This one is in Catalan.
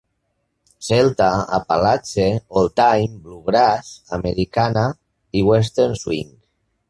Celta, Apalatxe, Old Time, Bluegrass, Americana i Western Swing.